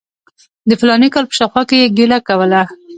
د فلاني کال په شاوخوا کې یې ګیله کوله.